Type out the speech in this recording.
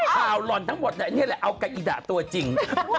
ข่าวหล่อนทั้งหมดแต่แอเนี่ยแหละอากาศด่าตัวจริง